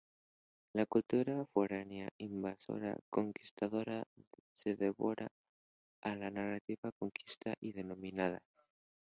La cultura foránea, invasora, conquistadora, se devora a la nativa, conquistada y dominada.